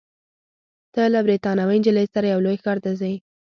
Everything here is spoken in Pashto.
ته له بریتانوۍ نجلۍ سره یو لوی ښار ته ځې.